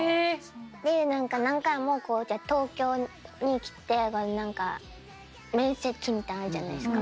で何回も東京に来て面接みたいなのあるじゃないですか。